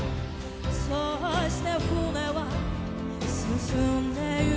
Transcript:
「そうして船は進んでいくの」